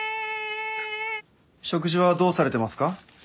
食事はどうされてますか？